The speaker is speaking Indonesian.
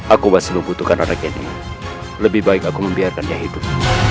aku masih membutuhkan anaknya lebih baik aku membiarkannya hidup